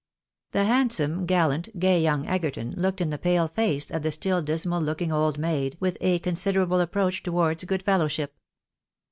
The handsome, gallant, gay young Egerton looked in the pale face of the stiU dismal looking old maid, with a considerable ap proach towards good fellowship.